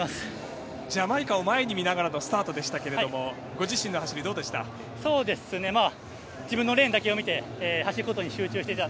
ジャマイカを前に見ながらのスタートでしたがご自身の走り、どうでした？